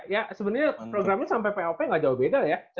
ya sebenernya programnya sampai pop gak jauh beda ya